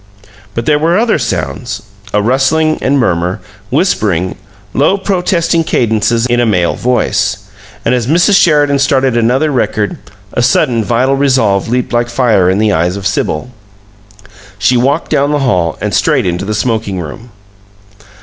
But there were other sounds: a rustling and murmur, whispering, low protesting cadences in a male voice. And as Mrs. Sheridan started another record, a sudden, vital resolve leaped like fire in the eyes of Sibyl. She walked down the hall and straight into the smoking room.